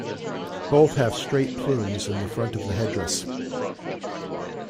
Both have straight plumes in the front of the headdress.